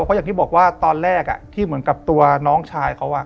เพราะอย่างที่บอกว่าตอนแรกที่เหมือนกับตัวน้องชายเขา